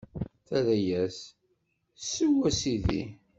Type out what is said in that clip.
Terra-yas: Sew, a Sidi.